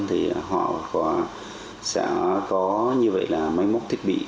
thì họ sẽ có như vậy là máy móc thiết bị